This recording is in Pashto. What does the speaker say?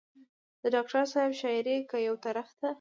د ډاکټر صېب شاعري کۀ يو طرف ته